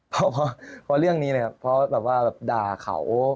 เพราะเรื่องนี้เลยครับเพราะแบบว่าด่าเขา